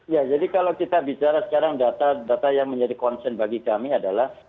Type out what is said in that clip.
ya jadi kalau kita bicara sekarang data data yang menjadi concern bagi kami adalah